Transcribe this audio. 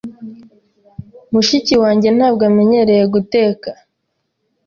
Mushiki wanjye ntabwo amenyereye guteka.